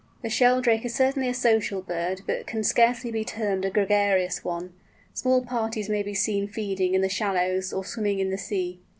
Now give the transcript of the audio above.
The Sheldrake is certainly a social bird, but can scarcely be termed a gregarious one. Small parties may be seen feeding in the shallows or swimming in the sea.